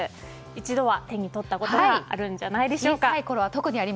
一度は手に取ったことがあるんじゃないでしょうか。